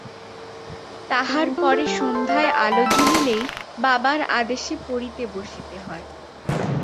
তাহার পরে সন্ধ্যায় আলো জুলিলেই বাবার আদেশে পড়িতে বসিতে হয়।